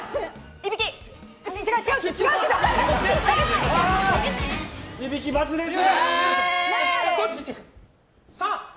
いびき、バツです。